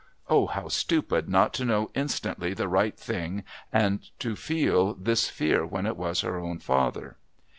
Oh! how stupid not to know instantly the right thing and to feel this fear when it was her own father!